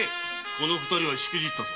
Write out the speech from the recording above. その二人はしくじったぞ。